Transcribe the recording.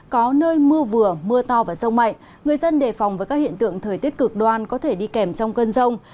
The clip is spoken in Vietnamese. có nơi mưa vừa mưa to và rông mạnh người dân đề phòng với các hiện tượng thời tiết cực đoan có thể đi kèm trong cơn rông